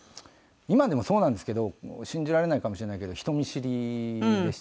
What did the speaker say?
今でもそうなんですけど信じられないかもしれないけど人見知りでした。